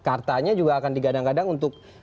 dan kartanya juga akan digadang gadang untuk